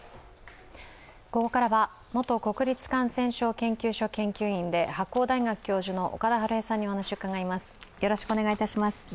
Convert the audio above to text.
ここからは元国立感染症研究所研究員で白鴎大学教授の岡田晴恵さんにお話を伺います。